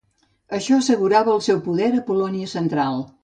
Això assegurava el seu poder a la Polònia central.